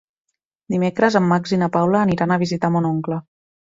Dimecres en Max i na Paula aniran a visitar mon oncle.